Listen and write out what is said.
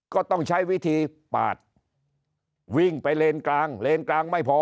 ก็ต้องใช้วิธีปาดวิ่งไปเลนกลางเลนกลางไม่พอ